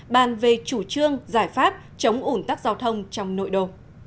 bàn về chủ trương giải pháp chống un tắc giao thông trong nội đồ